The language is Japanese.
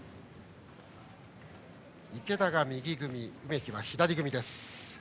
池田が右組み、梅木は左組みです。